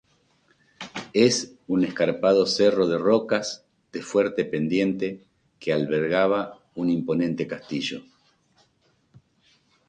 Es un escarpado cerro de rocas de fuerte pendiente que albergaba un imponente castillo.